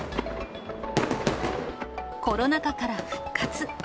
コロナ禍から復活。